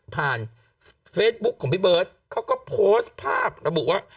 เฟซบุ๊คของพี่เบิร์ตเขาก็โพสต์ภาพระบุว่า